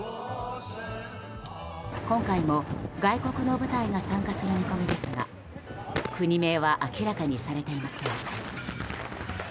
今回も外国の部隊が参加する見込みですが国名は明らかにされていません。